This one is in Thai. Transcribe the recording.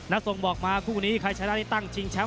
นักทรงบอกมาคู่นี้ใครชะละที่ตั้งชิงแชมป์๑๐๘